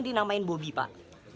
jadi namain bobby pak